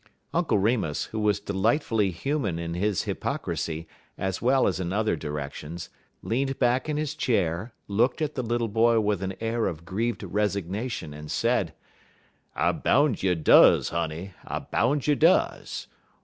Uncle Remus, who was delightfully human in his hypocrisy, as well as in other directions, leaned back in his chair, looked at the little boy with an air of grieved resignation, and said: "I boun' you does, honey, I boun' you does.